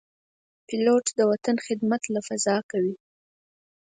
پیلوټ د وطن خدمت له فضا کوي.